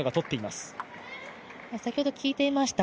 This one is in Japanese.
先ほど効いていました